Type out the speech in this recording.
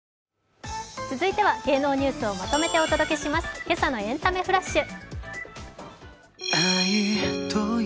続いては芸能ニュースをまとめてお伝えします「けさのエンタメフラッシュ」。